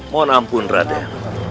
mohon ampun raden